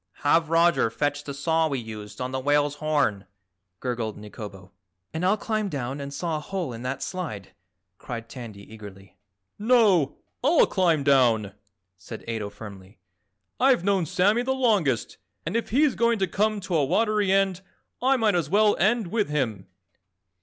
"Have Roger fetch the saw we used on the whale's horn," gurgled Nikobo. "And I'll climb down and saw a hole in that slide," cried Tandy eagerly. "No, I'll climb down," said Ato firmly. "I've known Sammy the longest and if he's going to come to a watery end I might as well end with him."